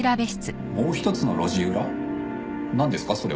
もう一つの路地裏？なんですか？